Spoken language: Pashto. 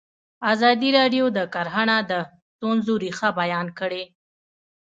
ازادي راډیو د کرهنه د ستونزو رېښه بیان کړې.